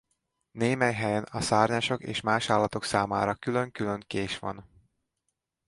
Némely helyen a szárnyasok és más állatok számára külön-külön kés van.